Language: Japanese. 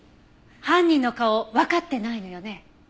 犯人の顔わかってないのよね？